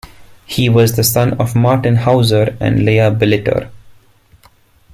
He was the son of Martin Hauser and Leah Billiter.